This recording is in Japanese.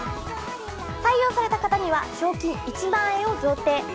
採用された方には賞金１万円を贈呈。